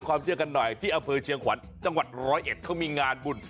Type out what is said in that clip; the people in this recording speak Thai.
ความเชื่อกันหน่อยที่อำเภอเชียงขวัญจังหวัดร้อยเอ็ดเขามีงานบุญ